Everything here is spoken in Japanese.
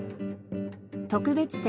特別展